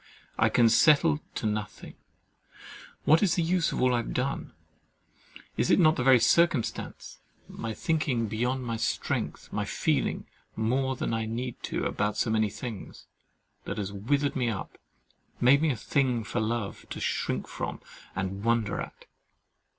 I can settle to nothing: what is the use of all I have done? Is it not that very circumstance (my thinking beyond my strength, my feeling more than I need about so many things) that has withered me up, and made me a thing for Love to shrink from and wonder at?